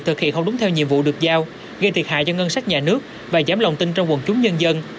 thực hiện không đúng theo nhiệm vụ được giao gây thiệt hại cho ngân sách nhà nước và giảm lòng tin trong quần chúng nhân dân